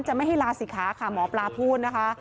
ไม่ให้ลาศิกขาค่ะหมอปลาพูดนะคะ